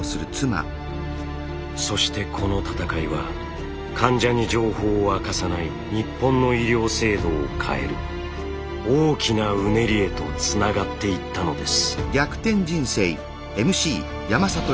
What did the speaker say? そしてこの闘いは患者に情報を明かさない日本の医療制度を変える大きなうねりへとつながっていったのです。